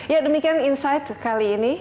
ya demikian insight kali ini